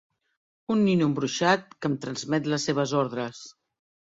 Un nino embruixat que em transmet les seves ordres.